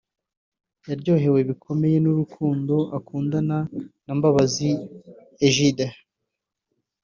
yaryohewe bikomeye n’urukundo akundana na Mbabazi Egide